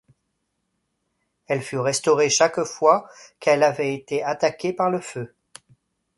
Elle fut restaurée chaque fois qu'elle avait été attaquée par le feu.